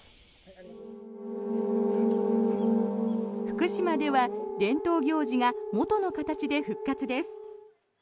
福島では伝統行事が元の形で復活です。